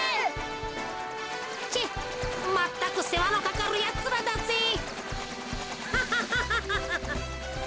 チェッまったくせわのかかるやつらだぜ。ハハハハ。